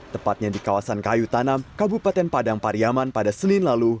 tepatnya di kawasan kayu tanam kabupaten padang pariaman pada senin lalu